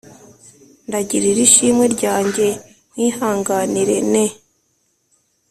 ndagirira ishimwe ryanjye nkwihanganire ne